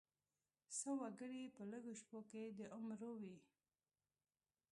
څه وګړي په لږو شپو کې د عمرو وي.